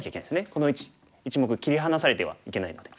この１目切り離されてはいけないので。